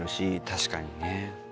確かにね。